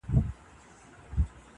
قاضي ډېر قهر نیولی دئ سړي ته-